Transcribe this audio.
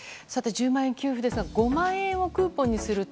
１０万円給付ですが５万円をクーポンにすると